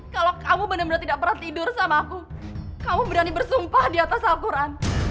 kalau kamu bener bener tidak pernah tidur sama aku kamu berani bersumpah di atas alquran